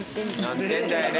難点だよね。